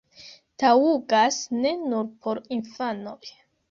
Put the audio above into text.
Taŭgas ne nur por infanoj!